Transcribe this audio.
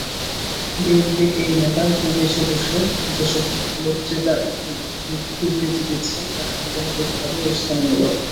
বিএনপির এই নেতা বিদেশে বসে যেসব বক্তৃতাবিবৃতি দিচ্ছেন, তা সন্দেহাতীতভাবে উসকানিমূলক।